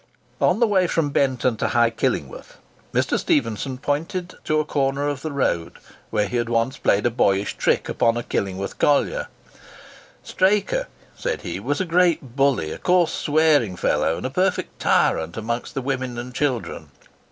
On the way from Benton to High Killingworth, Mr. Stephenson pointed to a corner of the road where he had once played a boyish trick upon a Killingworth collier. "Straker," said he, "was a great bully, a coarse, swearing fellow, and a perfect tyrant amongst the women and children.